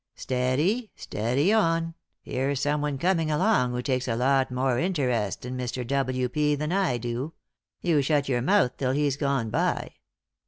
" Steady 1 Steady on I Here's someone coming along who takes a lot more interest in Mr. W. P. than I do. You shut yonr mouth till he's gone by."